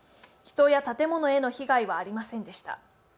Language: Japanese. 人や建物への被害はありませんでした。